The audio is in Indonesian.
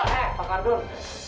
eh pak ardun